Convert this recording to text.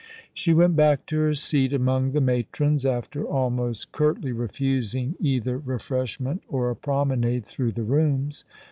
She went back to her seat among the matrons, after almost curtly refusing either refreshment or a promenade through the rooms.